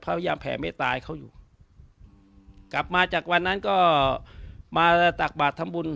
พยายามแผ่เมตตาให้เขาอยู่กลับมาจากวันนั้นก็มาตักบาททำบุญ